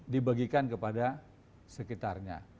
dibagikan kepada sekitarnya